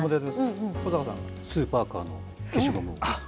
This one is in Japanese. スーパーカーの消しゴムを。